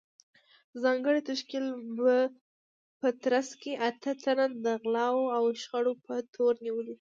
ځانګړې تشکیل په ترڅ کې اته تنه د غلاوو او شخړو په تور نیولي